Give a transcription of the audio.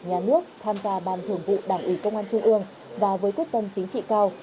nhà nước tham gia ban thưởng vụ đảng ủy công an trung ương và với quyết tâm chính trị cao